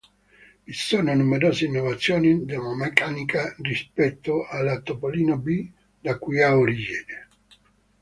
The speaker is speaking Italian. Vi sono numerose innovazioni nella meccanica rispetto alla Topolino B da cui ha origine.